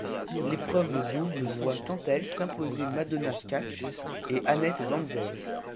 L'épreuve de double voit quant à elle s'imposer Madonna Schacht et Annette Van Zyl.